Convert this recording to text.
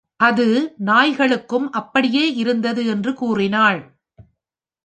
அது நாய்களுக்கும் அப்படியே இருந்தது என்று கூறினாள்.